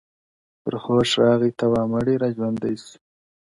پر هوښ راغی ته وا مړی را ژوندی سو -